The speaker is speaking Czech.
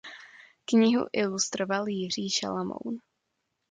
Knihu ilustroval Jiří Šalamoun.